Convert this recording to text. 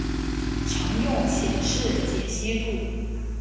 常用显示解析度